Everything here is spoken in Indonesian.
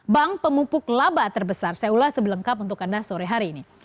bank pemupuk laba terbesar saya ulas sebelengkap untuk anda sore hari ini